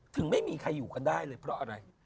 ถึงไม่มีใครอยู่กันได้เลยเพราะอะไร